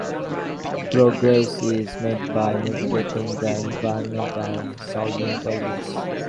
Progress is made by navigating the environment and solving puzzles.